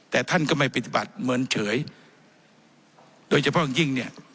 แต่ท่านก็ไม่ปฏิบัติเหมือนเฉยโดยเฉพาะอย่างยิ่งเนี่ย